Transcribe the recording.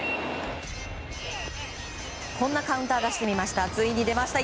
こんなカウンターを出してみました。